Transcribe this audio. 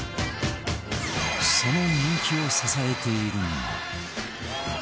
その人気を支えているのが